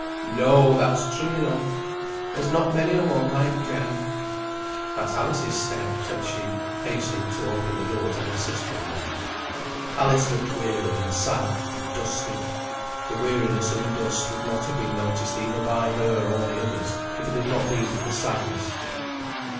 no! that's true enough. There's not many a one like Jem. That's Alice's step," said she, hastening to open the door to her sister in law. Alice looked weary, and sad, and dusty. The weariness and the dust would not have been noticed either by her, or the others, if it had not been for the sadness.